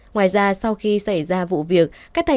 ngoài ra sau khi xảy ra vụ việc